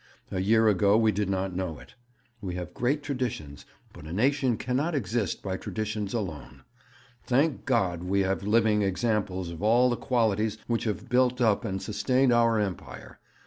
A year ago we did not know it. We have great traditions, but a nation cannot exist by traditions alone. Thank God, we have living examples of all the qualities which have built up and sustained our Empire.